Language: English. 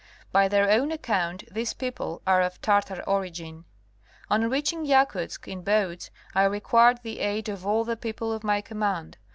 By their own account these people are of Tartar origin. On reaching Yakutsk in boats I required the aid of all the people of my command.